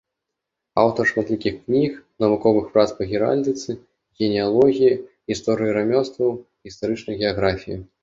Аўтар шматлікіх кніг, навуковых прац па геральдыцы, генеалогіі, гісторыі рамёстваў, гістарычнай геаграфіі.